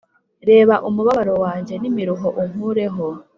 Reba umubabaro wanjye n imiruho Unkureho